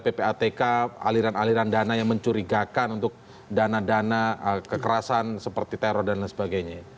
ppatk aliran aliran dana yang mencurigakan untuk dana dana kekerasan seperti teror dan lain sebagainya